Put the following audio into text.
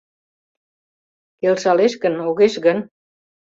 Келшалеш гын, огеш гын?